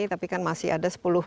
tapi kan masih ada sepuluh